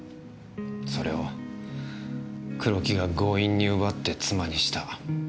それを黒木が強引に奪って妻にした。